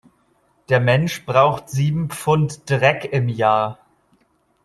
Der Mensch braucht sieben Pfund Dreck im Jahr.